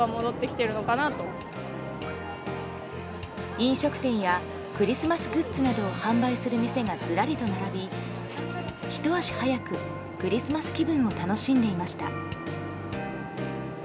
飲食店やクリスマスグッズなどを販売する店がずらりと並びひと足早くクリスマス気分を楽しんでいました。